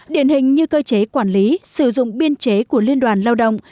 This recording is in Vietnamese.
điển hình như cơ chế quản lý sử dụng biên chế của liên đoàn lao động